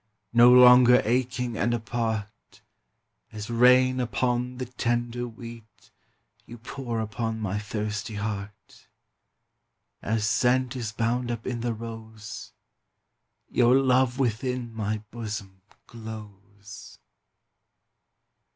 No longer aching and apart, As rain upon the tender wheat, You pour upon my thirsty heart; As scent is bound up in the rose, Your love within my bosom glows.